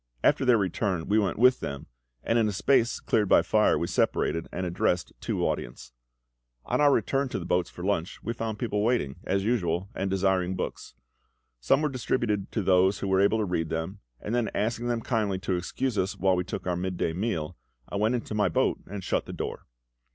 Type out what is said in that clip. After their return we went with them, and in a space cleared by fire we separated, and addressed two audiences. On our return to the boats for lunch, we found people waiting, as usual, and desiring books. Some were distributed to those who were able to read them; and then asking them kindly to excuse us while we took our midday meal, I went into my boat and shut the door.